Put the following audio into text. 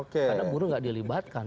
karena buruh tidak dilibatkan